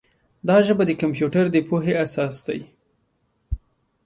دا ژبه د کمپیوټر د پوهې اساس دی.